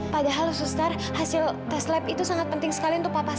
padahal suster hasil tes lab itu sangat penting sekali untuk papan